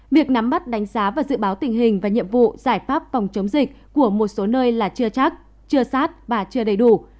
việc nắm bắt đánh giá và dự báo tình hình và nhiệm vụ giải pháp phòng chống dịch của một số nơi là chưa chắc chưa sát và chưa đầy đủ